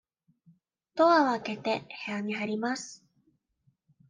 ドアを開けて、部屋に入ります。